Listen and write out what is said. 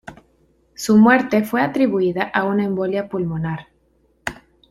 Su muerte fue atribuida a una embolia pulmonar.